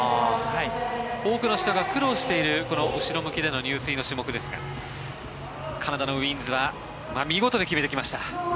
多くの人が苦労しているこの後ろ向きでの入水の種目ですがカナダのウィーンズは見事に決めてきました。